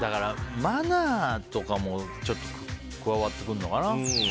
マナーとかも加わってくるのかな。